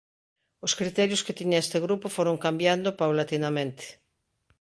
Os criterios que tiña este grupo foron cambiando paulatinamente.